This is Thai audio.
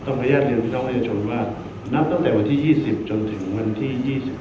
นับตั้งแต่วันที่๒๐จนถึงวันที่๒๙